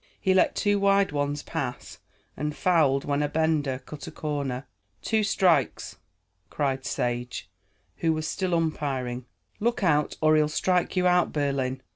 He let two wide ones pass, and fouled when a bender cut a corner. "Two strikes!" cried Sage, who was still umpiring. "Look out or he'll strike you out, Berlin."